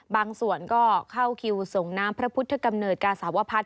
บางส่วนก็เข้าคิวส่งน้ำพระพุทธกำเนิดกาสาวพัฒน